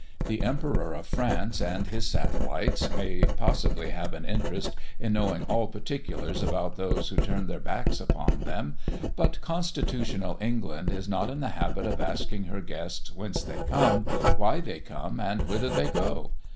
The Emperor of France and his satellites may possibly have an interest in knowing all particulars about those who turn their backs upon them; but constitutional England is not in the habit of asking her guests whence they come, why they come, and whither they go.